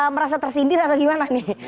merasa tersindir atau gimana nih